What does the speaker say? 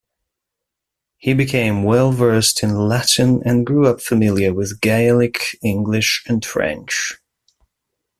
He became well-versed in Latin and grew up familiar with Gaelic, English and French.